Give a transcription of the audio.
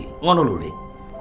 kamu bisa mengergai dirimu sendiri